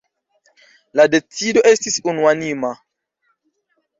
La decido estis unuanima.